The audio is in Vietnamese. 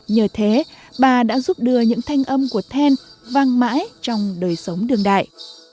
nhờ thế bà đã giúp đưa những thanh âm của then vang mãi trong đời sống đương đại